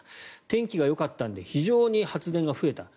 天気がよかったので非常に発電が増えた。